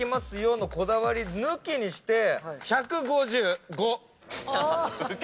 の、こだわりを抜きにして、１５５。